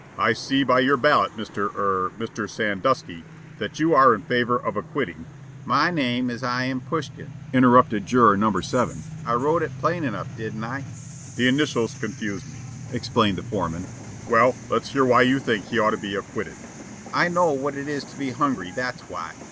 I see by your ballot, Mr. er Mr. Sandusky, that you are in favor of acquitting " "My name is I. M. Pushkin," interrupted Juror No. 7. "I wrote it plain enough, didn't I?" "The initials confused me," explained the foreman. "Well, let's hear why you think he ought to be acquitted." "I know what it is to be hungry, that's why.